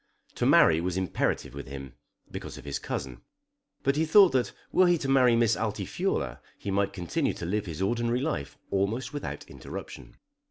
To marry was imperative with him, because of his cousin. But he thought that were he to marry Miss Altifiorla he might continue to live his ordinary life almost without interruption.